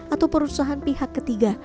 atau perusahaan pihak ketiga